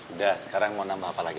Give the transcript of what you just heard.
udah sekarang mau nambah apa lagi